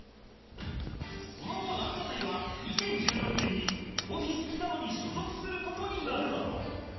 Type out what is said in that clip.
その後ランジャタイは２０１６年にオフィス北野に所属する事になる